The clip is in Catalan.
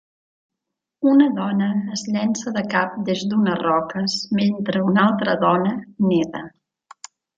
Una dona es llença de cap des d'unes roques mentre una altra dona neda.